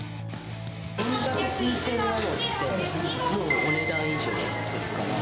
これだけ新鮮なのって、もうお値段以上ですかね。